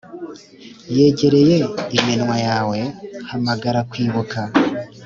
yegereye iminwa yawe. hamagara kwibuka